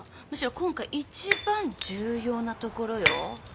むしろ今回一番重要なところよ。